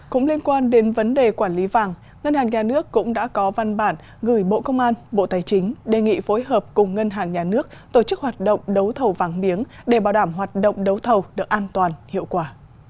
cũng liên quan đến vấn đề quản lý vàng ngân hàng nhà nước cũng đã có văn bản gửi bộ công an bộ tài chính đề nghị phối hợp cùng ngân hàng nhà nước tổ chức hoạt động đấu thầu vàng miếng để bảo đảm hoạt động đấu thầu được an toàn hiệu quả